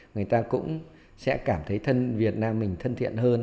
người ta cũng sẽ cảm thấy thân việt nam mình thân thiện hơn